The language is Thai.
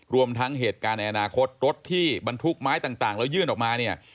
รวมทั้งเหตุการณ์ในอนาคตรถที่บรรทุกไม้ต่างแล้วยื่นออกมาเนี่ย